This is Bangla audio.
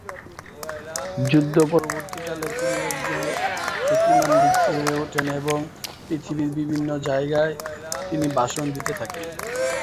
যুদ্ধ-পরবর্তীকালে, তিনি একজন খ্যাতিমান ব্যক্তি হয়ে ওঠেন এবং পৃথিবীর বিভিন্ন জায়গায় তিনি ভাষণ দিতে থাকেন।